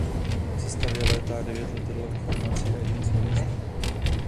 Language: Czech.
V sestavě létá devět letadel ve formaci a jeden sólista.